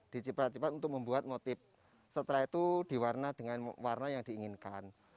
diciprat ciprat untuk membuat motif setelah itu diwarna dengan warna yang diinginkan